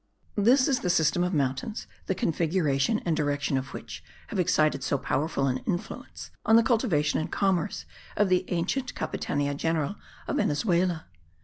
This is the system of mountains the configuration and direction of which have excited so powerful an influence on the cultivation and commerce of the ancient Capitania General of Venezuela.